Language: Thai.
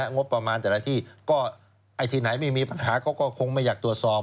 งบประมาณแต่ละที่ก็ไอ้ที่ไหนไม่มีปัญหาเขาก็คงไม่อยากตรวจสอบ